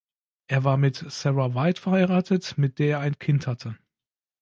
Er war mit Sarah White verheiratet, mit der er ein Kind hatte.